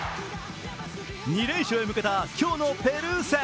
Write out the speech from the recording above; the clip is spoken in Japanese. ２連勝へ向けた今日のペルー戦。